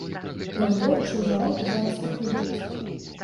На вытворчую нараду зараз паклічуць.